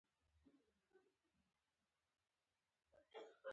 سهار د کورنۍ دعا ده.